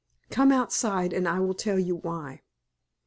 Come outside, and I will tell you why."